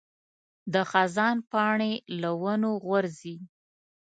د خزان پاڼې له ونو غورځي.